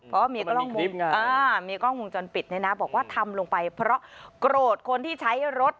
เพราะมีกล้องมุมอ่ามีกล้องมุมจนปิดนะบอกว่าทำลงไปเพราะโกรธคนที่ใช้รถ